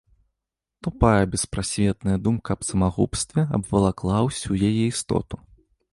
Тупая беспрасветная думка аб самагубстве абвалакла ўсю яе істоту.